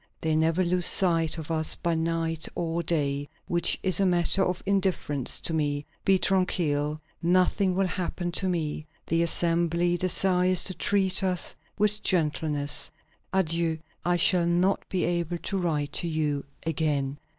They never lose sight of us by night or day; which is a matter of indifference to me. Be tranquil; nothing will happen to me. The Assembly desires to treat us with gentleness. Adieu. I shall not be able to write to you again."